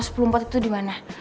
kelas empat belas itu dimana